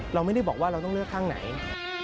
เราไม่ได้บอกว่าเราต้องเลือกข้างไหน